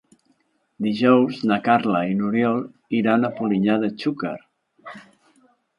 Dijous na Carla i n'Oriol iran a Polinyà de Xúquer.